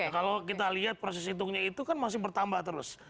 kalau kita lihat proses hitungnya itu kan masih bertambah terus